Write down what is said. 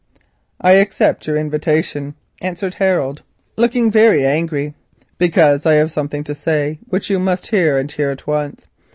"I accept your invitation," answered Harold, looking very angry, "because I have something to say which you must hear, and hear at once.